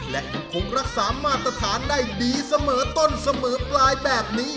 และยังคงรักษามาตรฐานได้ดีเสมอต้นเสมอปลายแบบนี้